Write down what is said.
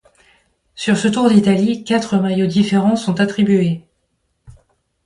Sur ce Tour d'Italie, quatre maillots différents sont attribués.